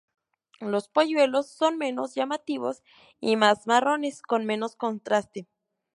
Los polluelos son menos llamativos y más marrones, con menos contraste.